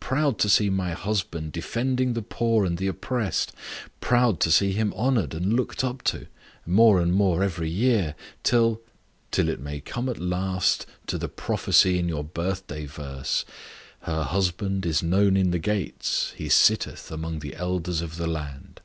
Proud to see my husband defending the poor and the oppressed proud to see him honoured and looked up to, more and more every year, till " "Till it may come at last to the prophecy in your birthday verse 'Her husband is known in the gates; he sitteth among the elders of the land.'"